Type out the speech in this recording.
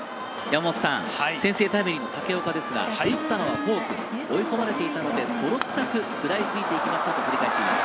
先制タイムリーの武岡ですが、打ったのはフォーク、追い込まれていたんで、泥臭く食らいついて行きましたと振り返っています。